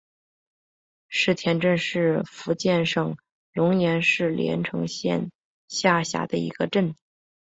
姑田镇是福建省龙岩市连城县下辖的一个镇。